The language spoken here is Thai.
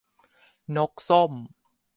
นกส้ม